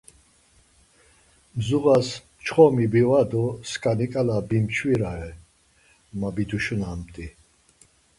Zuğas çxomi biva do skaniǩala bimçvirare, ma biduşunamt̆i.